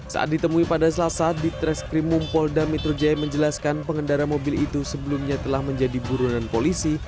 saat ditemui pada selasa di treskrim mumpol damitru jaya menjelaskan pengendara mobil itu sebelumnya telah menjadi buruan polisi